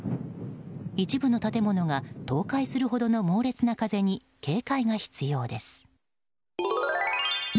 一部の建物が倒壊するほどの猛烈な風に警戒が必要です。